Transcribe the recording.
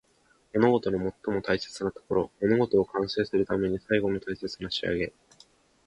物事の最も大切なところ。物事を完成するための最後の大切な仕上げ。